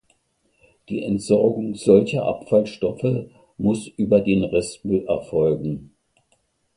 Die Entsorgung solcher Abfallstoffe muss über den Restmüll erfolgen.